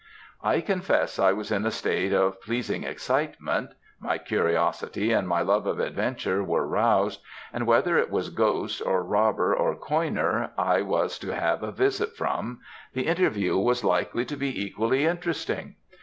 "I confess I was in a state of pleasing excitement; my curiosity and my love of adventure were roused; and whether it was ghost, or robber, or coiner, I was to have a visit from, the interview was likely to be equally interesting.